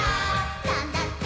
「なんだって」